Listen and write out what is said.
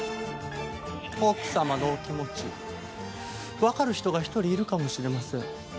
奥様のお気持ち、わかる人が１人いるかもしれません。